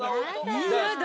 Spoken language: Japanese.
嫌だ。